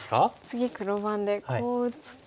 次黒番でこう打つと。